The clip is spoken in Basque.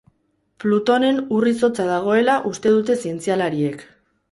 Plutonen ur-izotza dagoela uste dute zientzialariek.